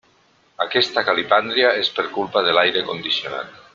Aquesta calipàndria és per culpa de l'aire condicionat.